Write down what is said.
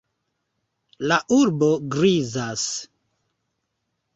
La urbo grizas.